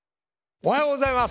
おはようございます。